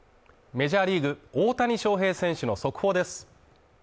メジャーリーグ大谷翔平選手の速報です。